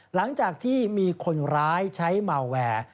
หลังจากที่มีคนร้ายใช้เมาแวร์